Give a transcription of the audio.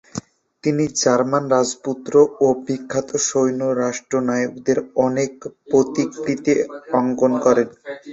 তিনি জার্মান রাজপুত্র এবং বিখ্যাত সৈন্য ও রাষ্ট্রনায়কদের অনেক প্রতিকৃতি অঙ্কন করেন।